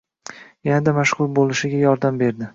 yanada mashhur bo'lishiga yordam berdi.